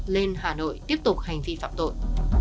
lên hà nội tiếp tục hành vi phạm tội